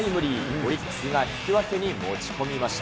オリックスが引き分けに持ち込みました。